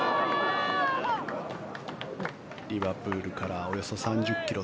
リバプールからおよそ３０ｋｍ